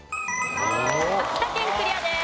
秋田県クリアです。